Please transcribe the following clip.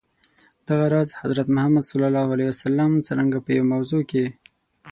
دغه راز، حضرت محمد ص څرنګه په یوه موضوع کي.